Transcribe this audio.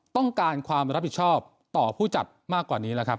ต้องการความรับผิดชอบต่อผู้จัดมากกว่านี้แล้วครับ